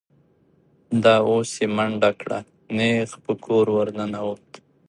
دا اوس یې منډه کړه، نېغ په کور ور ننوت.